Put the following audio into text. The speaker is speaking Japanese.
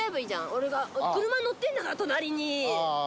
俺が、車に乗ってんだから、隣に。